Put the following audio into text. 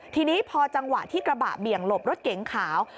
ทีนี้พอจังหวะที่กระบะเบี่ยงหลบรถเก๋งขาว